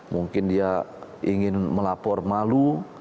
mungkin dia ingin melapor malu